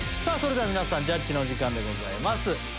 さぁそれでは皆さんジャッジのお時間でございます。